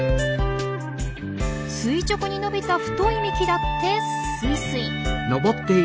垂直に伸びた太い幹だってスイスイ。